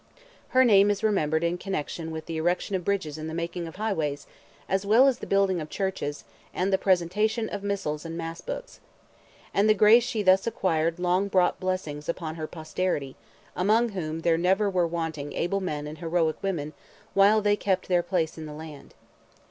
Her name is remembered in connection with the erection of bridges and the making of highways, as well as the building of churches, and the presentation of missals and mass books. And the grace she thus acquired long brought blessings upon her posterity, among whom there never were wanting able men and heroic women while they kept their place in the land.